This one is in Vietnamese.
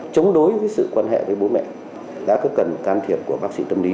chống đối với sự quan hệ với bố mẹ đã có cần can thiệp của bác sĩ tâm lý